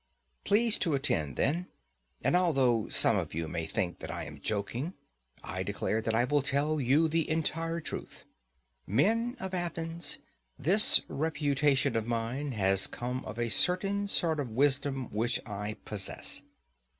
Please to attend then. And although some of you may think that I am joking, I declare that I will tell you the entire truth. Men of Athens, this reputation of mine has come of a certain sort of wisdom which I possess.